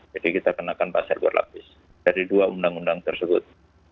jadi kita kenakan pasal berlapis dari dua undang undang tersebut